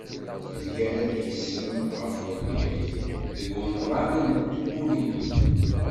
Yemgarad yisem ɣef umyag deg umḍan n twuriwin.